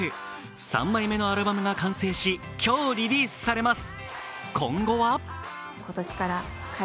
３枚目のアルバムが完成し、今日リリースされます。